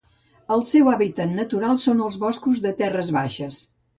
El seu hàbitat natural són els boscos de terres baixes.